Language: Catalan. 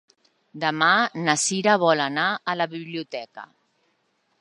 Demà na Sira vol anar a la biblioteca.